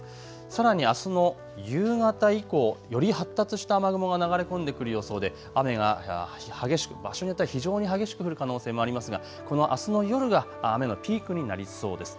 さらにあすの夕方以降より発達した雨雲が流れ込んでくる予想で雨が激しく、場所によっては非常に激しく降る可能性もありますがあすの夜が雨のピークになりそうです。